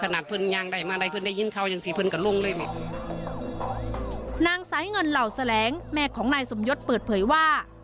นางสายเงินเหล่าแสลงแม่ของนายสมยศเปิดเผยว่า